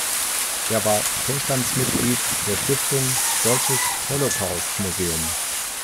Er war Vorstandsmitglied der Stiftung Deutsches Holocaust-Museum.